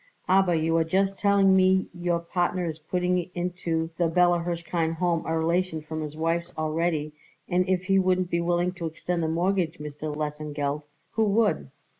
"Aber you are just telling me your partner is putting into the Bella Hirshkind Home a relation from his wife's already, and if he wouldn't be willing to extend the mortgage, Mr. Lesengeld, who would?